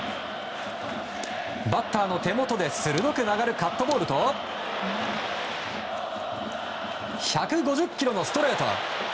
バッターの手元で鋭く曲がるカットボールと１５０キロのストレート。